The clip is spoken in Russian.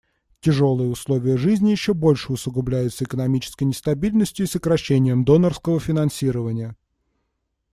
Тяжелые условия жизни еще больше усугубляются экономической нестабильностью и сокращением донорского финансирования.